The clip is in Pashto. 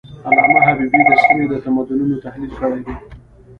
علامه حبيبي د سیمې د تمدنونو تحلیل کړی دی.